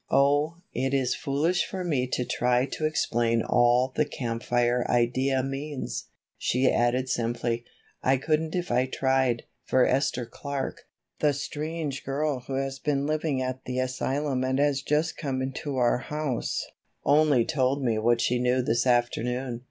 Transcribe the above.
"Oh, it is foolish for me to try to explain all the Camp Fire idea means," she added simply. "I couldn't if I tried, for Esther Clark, the strange girl who has been living at the asylum and has just come to our house, only told me what she knew this afternoon.